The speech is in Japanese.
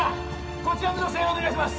こちらの女性お願いします！